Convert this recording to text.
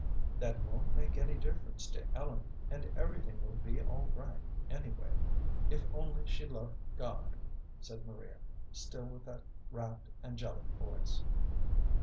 "That won't make any difference to Ellen, and everything will be all right anyway, if only she loved God," said Maria, still with that rapt, angelic voice.